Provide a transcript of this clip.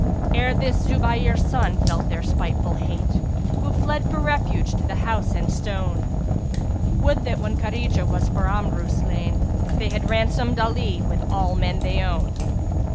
Ere this Zubayr son[FN#368] felt their spiteful hate, * Who fled for refuge to the House and Stone: Would that when Khárijah was for Amru slain[FN#369] * They had ransomed Ali with all men they own."